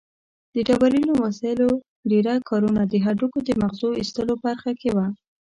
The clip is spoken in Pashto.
د ډبرینو وسایلو ډېره کارونه د هډوکو د مغزو ایستلو برخه کې وه.